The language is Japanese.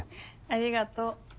ありがとう。